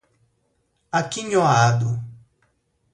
aquinhoado